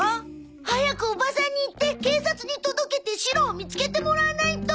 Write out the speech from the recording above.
早くおばさんに言って警察に届けてシロを見つけてもらわないと！